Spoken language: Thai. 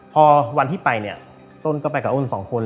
พอวันที่ไปเนี่ยต้นก็ไปกับอ้นสองคน